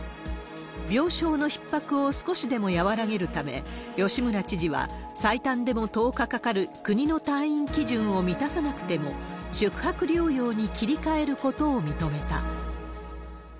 病床のひっ迫を少しでも和らげるため、吉村知事は、最短でも１０日かかる国の退院基準を満たさなくても、宿泊療養に切り替えることを認めた。